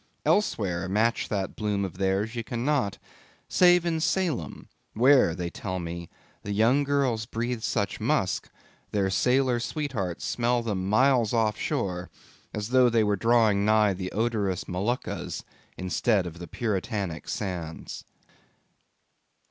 Elsewhere match that bloom of theirs, ye cannot, save in Salem, where they tell me the young girls breathe such musk, their sailor sweethearts smell them miles off shore, as though they were drawing nigh the odorous Moluccas instead of the Puritanic sands.